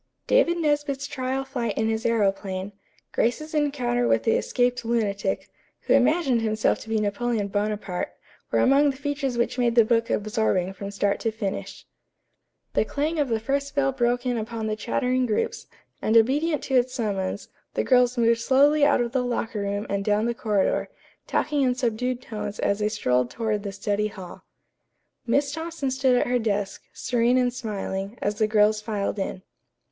David Nesbit's trial flight in his aëroplane, Grace's encounter with the escaped lunatic, who imagined himself to be Napoleon Bonaparte, were among the features which made the book absorbing from start to finish. The clang of the first bell broke in upon the chattering groups, and obedient to its summons, the girls moved slowly out of the locker room and down the corridor, talking in subdued tones as they strolled toward the study hall. Miss Thompson stood at her desk, serene and smiling, as the girls filed in.